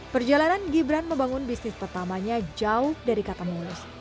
perjalanan gibran membangun bisnis pertamanya jauh dari katamulus